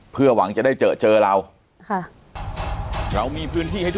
เพื่อหวังจะได้เจอเรา